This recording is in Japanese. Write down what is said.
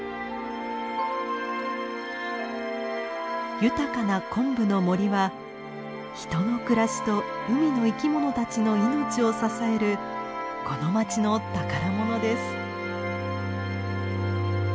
豊かなコンブの森は人の暮らしと海の生きものたちの命を支えるこの町の宝物です。